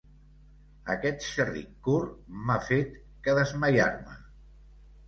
Aquest xerric cur m'ha fet que desmaiar-me.